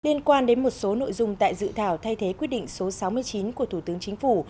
liên quan đến một số nội dung tại dự thảo thay thế quyết định số sáu mươi chín của thủ tướng chính phủ